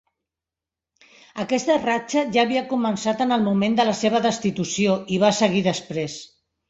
Aquesta ratxa ja havia començat en el moment de la seva destitució i va seguir després.